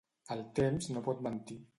El temps no pot mentir.